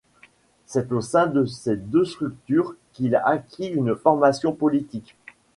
C’est au sein de ces deux structures qu’il acquit une formation politique.